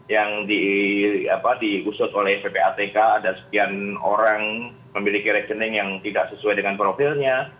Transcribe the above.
yang diusut oleh ppatk ada sekian orang memiliki rekening yang tidak sesuai dengan profilnya